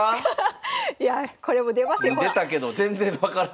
いやこれも出ますよほら。